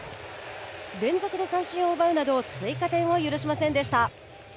連続で三振を奪うなど追加点を許しませんでした。